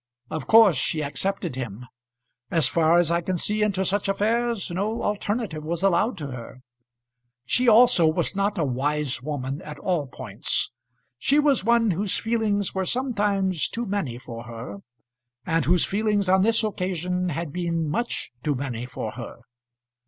Of course she accepted him. As far as I can see into such affairs no alternative was allowed to her. She also was not a wise woman at all points. She was one whose feelings were sometimes too many for her, and whose feelings on this occasion had been much too many for her.